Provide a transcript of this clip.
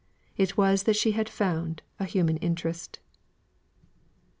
It was that in it she had found a human interest.